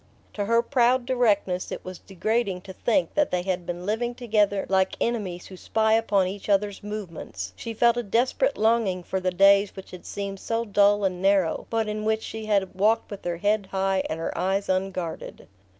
To her proud directness it was degrading to think that they had been living together like enemies who spy upon each other's movements: she felt a desperate longing for the days which had seemed so dull and narrow, but in which she had walked with her head high and her eyes unguarded.